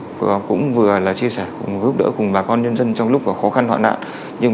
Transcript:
công tác phòng chống dịch cũng vừa là chia sẻ cũng giúp đỡ cùng bà con nhân dân trong lúc khó khăn hoạn nạn